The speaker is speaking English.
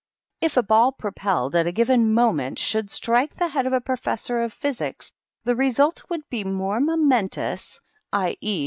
If a ball propelled at a given moment should strike the head of a professor of Physics, the re sult would be more momentous — i.e.